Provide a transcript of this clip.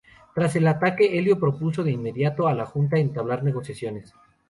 Tras el ataque Elío propuso de inmediato a la Junta entablar negociaciones.